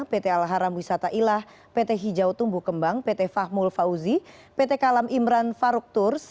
pt alharam wisata ilah pt hijau tumbuh kembang pt fahmul fauzi pt kalam imran faruk turs